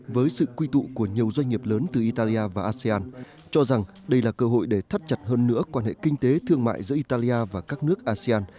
với sự quy tụ của nhiều doanh nghiệp lớn từ italia và asean cho rằng đây là cơ hội để thắt chặt hơn nữa quan hệ kinh tế thương mại giữa italia và các nước asean